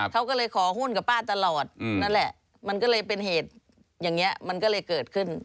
เขาก็เลยขอหุ้นกับป้าตลอดนั่นแหละมันก็เลยเป็นเหตุอย่างนี้มันก็เลยเกิดขึ้น